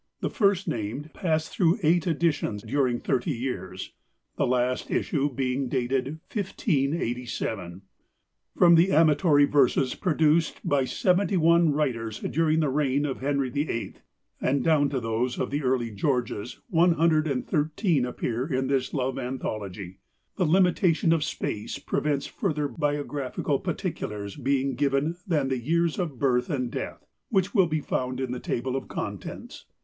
The first named passed through eight editions during thirty years: the last issue being dated 1587. From the amatory verses produced by seventy one writers during the reign of Henry the Eighth and down to those of the early Georges one hundred and thirteen appear in this love anthology. The limitation of space prevents further biographical particulars being given than the years of birth and death, which will be found in the Table of Contents.